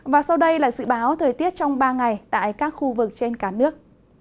và sau đây là dự báo thời tiết trong ba ngày tại các khu vực trên cả nước